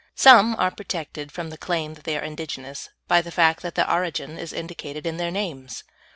Some are protected from the claim that they are indigenous by the fact that their origin is indicated in their names.